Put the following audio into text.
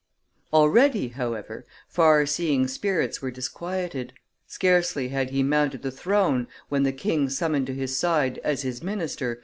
Already, however, far seeing spirits were disquieted; scarcely had he mounted the throne, when the king summoned to his side, as his minister, M.